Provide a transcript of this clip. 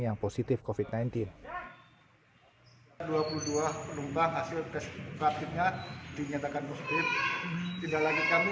yang positif kofit sembilan belas dua puluh dua penumpang hasil tes rapidnya dinyatakan positif tidak lagi kami